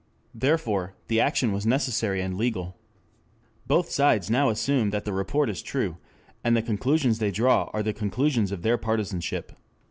Therefore the action was necessary and legal. Both sides now assume that the report is true, and the conclusions they draw are the conclusions of their partisanship.